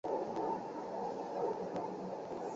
尚普鲁吉耶人口变化图示